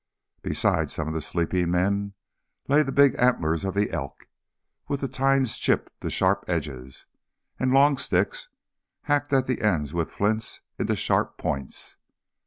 Beside some of the sleeping men lay the big antlers of the elk, with the tines chipped to sharp edges, and long sticks, hacked at the ends with flints into sharp points.